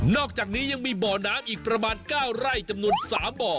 อกจากนี้ยังมีบ่อน้ำอีกประมาณ๙ไร่จำนวน๓บ่อ